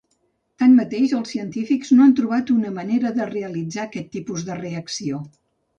Tanmateix, els científics no han trobat una manera de realitzar aquest tipus de reacció.